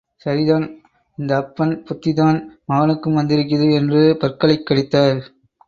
சரிதான்... இந்த அப்பன் புத்திதான் மகனுக்கும் வந்திருக்குது!... என்று பற்களைக் கடித்தார்.